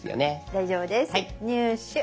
大丈夫です「入手」。